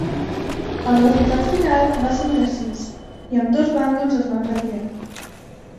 El resultat final va ser indecís, i ambdós bàndols es van retirar.